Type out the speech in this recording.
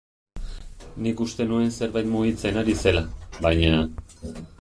Nik uste nuen zerbait mugitzen ari zela, baina...